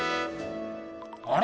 あれ？